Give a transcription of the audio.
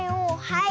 はい。